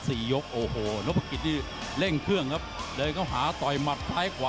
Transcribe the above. ส่งมวยมันน้ำไปนิดเดียว